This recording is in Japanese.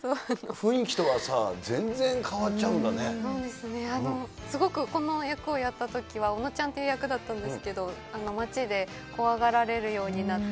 雰囲気とはさ、全然変わっちそうですね、すごくこの役をやったときは、おのちゃんっていう役だったんですけど、変化がありましたか？